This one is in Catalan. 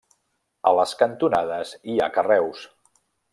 A les cantonades hi ha carreus.